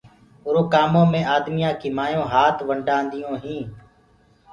اُرو ڪآمو مي آدميآ ڪي مايونٚ هآت ونڊآ دِيونٚ هينٚ۔